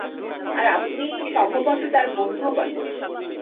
আর আপনি সম্ভবত তার বন্ধুও বটে।